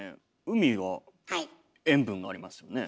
海は塩分がありますよね。